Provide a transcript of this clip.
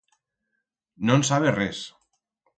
No'n sabe res.